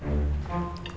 gak kecanduan hp